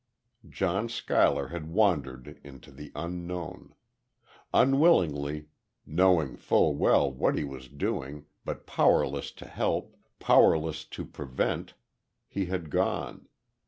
John Schuyler had wandered into the Unknown. Unwillingly, knowing full well what he was doing, but powerless to help powerless to prevent he had gone....